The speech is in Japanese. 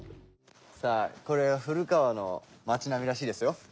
さあこれが古川の町並みらしいですよ。